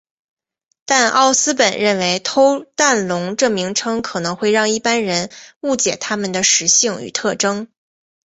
但奥斯本认为偷蛋龙这名称可能会让一般人误解它们的食性与特征。